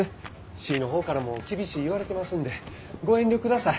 市のほうからも厳しい言われてますんでご遠慮ください。